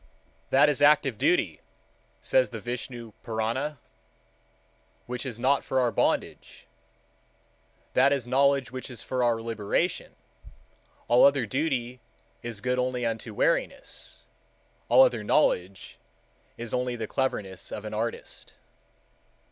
"That is active duty," says the Vishnu Purana, "which is not for our bondage; that is knowledge which is for our liberation: all other duty is good only unto weariness; all other knowledge is only the cleverness of an artist."